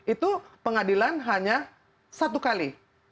itu pengadilan hanya satu kali